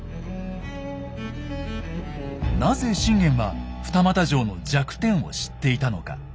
なぜ信玄は二俣城の弱点を知っていたのか。